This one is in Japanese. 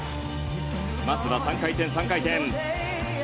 まずは３回転、３回転。